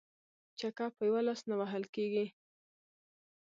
ـ چکه په يوه لاس نه وهل کيږي.